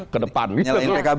ke depan nyalain pkb